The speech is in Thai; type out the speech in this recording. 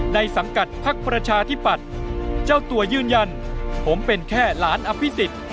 ในสังกัดภักดิ์ประชาธิปัตย์เจ้าตัวยืนยันผมเป็นแค่หลานอภิษฐศาสตร์